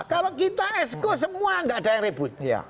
kalau kita exco semua tidak ada yang ribut